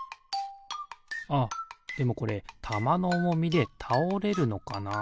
あっでもこれたまのおもみでたおれるのかな？